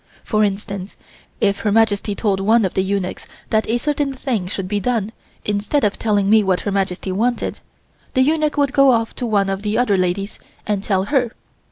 For instance, if Her Majesty told one of the eunuchs that a certain thing should be done, instead of telling me what Her Majesty wanted, the eunuch would go off to one of the other ladies and tell her.